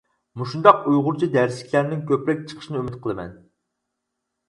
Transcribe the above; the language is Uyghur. مۇشۇنداق ئۇيغۇرچە دەرسلىكلەرنىڭ كۆپلەپ چىقىشىنى ئۈمىد قىلىمەن!